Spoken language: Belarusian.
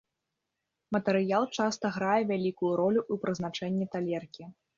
Матэрыял часта грае вялікую ролю ў прызначэнні талеркі.